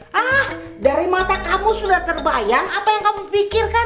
hah dari mata kamu sudah terbayang apa yang kamu pikirkan